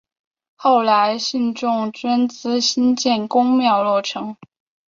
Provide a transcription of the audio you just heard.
后来信众捐资兴建宫庙落成。